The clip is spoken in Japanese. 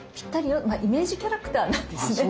あイメージキャラクターなんですね。